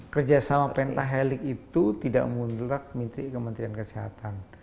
kerjasama pentahelix itu tidak mengundurak mitri kementerian kesehatan